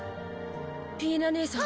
ピイナ姉さん。